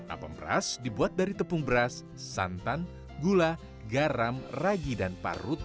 apem beras dibuat dari tepung beras santan gula garam ragi dan parut